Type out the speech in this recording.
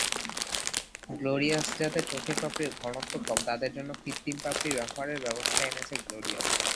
গ্লোরিয়াসযাদের চোখের পাপড়ির ঘনত্ব কম, তাদের জন্য কৃত্রিম পাপড়ি ব্যবহারের ব্যবস্থা এনেছে গ্লোরিয়াস।